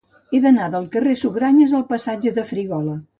He d'anar del carrer de Sugranyes al passatge de Frígola.